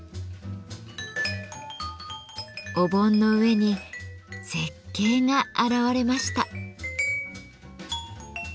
お盆の上に絶景が現れました。